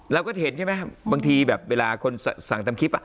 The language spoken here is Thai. เราก็เห็นใช่ไหมบางทีแบบเวลาคนสั่งตามคลิป